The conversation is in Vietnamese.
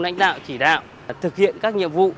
lãnh đạo chỉ đạo thực hiện các nhiệm vụ